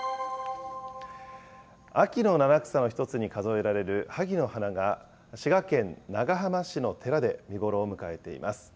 秋の七草の１つに数えられるはぎの花が、滋賀県長浜市の寺で見頃を迎えています。